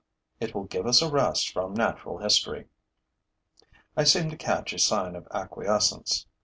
It will give us a rest from natural history.' I seem to catch a sign of acquiescence.